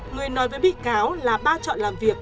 người nói với bị cáo là ba chọn làm việc